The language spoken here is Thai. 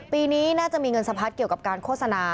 ปีนี้น่าจะมีเงินสะพัดเกี่ยวกับการโฆษณา